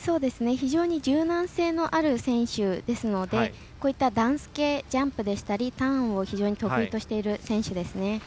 非常に柔軟性のある選手ですのでこういったダンス系ジャンプでしたりターンを非常に得意としている選手ですね。